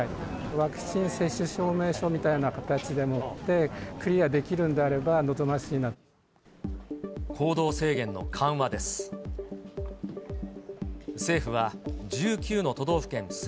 ワクチン接種証明書みたいな形でもって、クリアできるんであれば行動制限の緩和です。